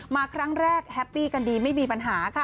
มาครั้งแรกแฮปปี้กันดีไม่มีปัญหาค่ะ